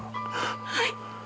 はい！